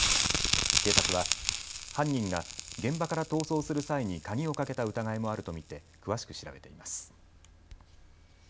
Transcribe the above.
警察は犯人が現場から逃走する際に鍵をかけた疑いもあると見て詳しく調べています。